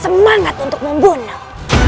semangat untuk membunuh